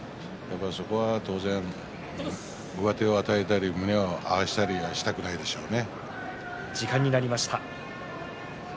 やっぱりそこは上手を与えたり胸を合わせたりしたくないでしょうね。